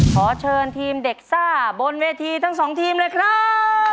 ขอเชิญทีมเด็กซ่าบนเวทีทั้งสองทีมเลยครับ